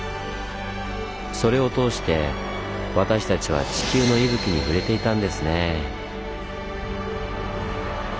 それを通して私たちは地球の息吹に触れていたんですねぇ。